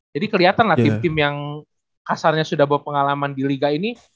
jadi kelihatan lah tim tim yang kasarnya sudah bawa pengalaman di liga ini